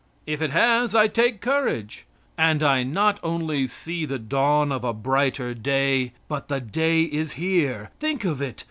If it has, I take courage. And I not only see the dawn of a brighter day, but the day is here. Think of it!